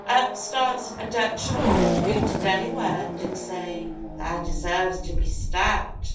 Up starts a Dutch Lord, who to Delaware did say, 'Thou deserves to be stabbed!